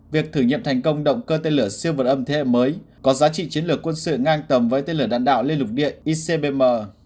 việc thử nghiệm thành công động cơ tên lửa siêu vật âm thế hệ mới có giá trị chiến lược quân sự ngang tầm với tên lửa đạn đạo liên lục điện icbm